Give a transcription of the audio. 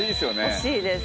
欲しいです。